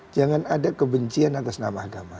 jangan ada kebencian atas nama agama